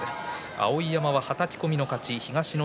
碧山ははたき込みで勝ち。